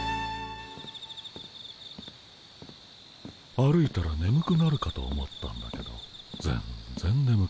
歩いたらねむくなるかと思ったんだけど全然ねむくならない。